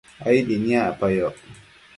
aidi niacpayoc